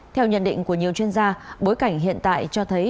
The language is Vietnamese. theo nhận định của nhiều chuyên gia bối cảnh hiện tại cho thấy